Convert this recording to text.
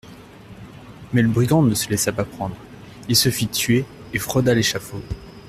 Mais le brigand ne se laissa pas prendre, il se fit tuer et frauda l'échafaud.